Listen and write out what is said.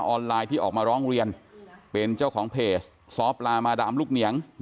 ออนไลน์ที่ออกมาร้องเรียนเป็นเจ้าของเพจ